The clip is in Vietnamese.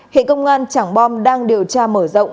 hiện công an trảng bom đang điều tra mở rộng